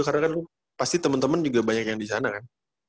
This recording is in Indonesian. karena kan pasti temen temen juga banyak yang disana kan